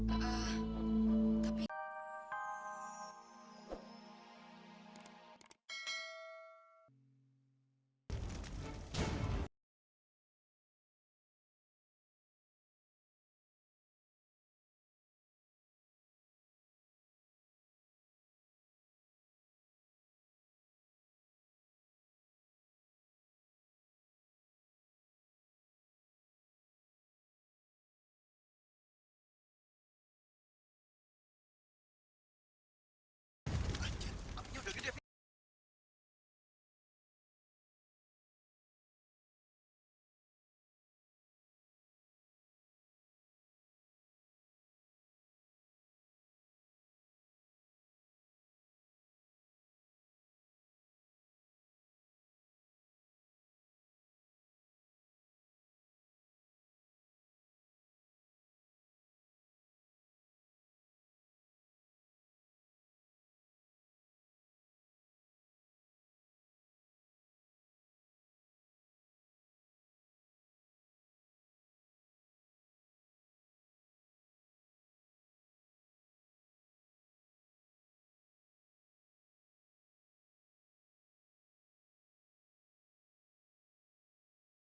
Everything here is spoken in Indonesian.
jadi aku mau nungguin lo dari tadi